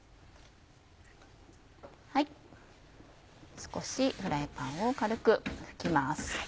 少しフライパンを軽く拭きます。